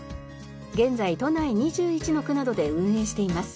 現在都内２１の区などで運営しています。